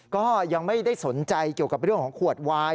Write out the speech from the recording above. ก็ยังไม่ได้สนใจเกี่ยวกับเรื่องของขวดวาย